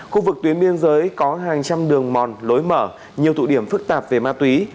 khu vực tuyến biên giới có hàng trăm đường mòn lối mở nhiều tụ điểm phức tạp về ma túy